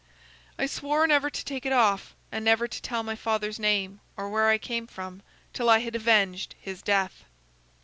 I swore never to take it off, and never to tell my father's name or where I came from, till I had avenged his death.